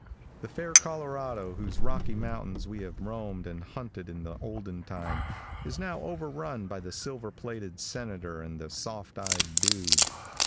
The fair Colorado, over whose Rocky mountains we have roamed and hunted in the olden time, is now overrun by the silver plated Senator and the soft eyed dude.